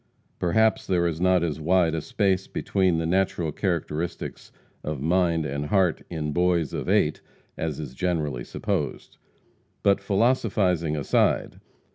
Perhaps there is not as wide a space between the natural characteristics of mind and heart in boys of eight as is generally supposed. But philosophizing aside.